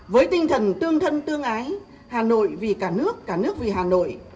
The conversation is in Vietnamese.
với tinh thần tương thân tương ái hà nội vì cả nước cả nước vì hà nội